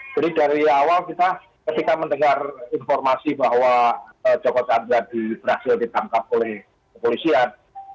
jadi dari awal kita ketika mendengar informasi bahwa jokowi andriadi berhasil ditangkap oleh kepolisian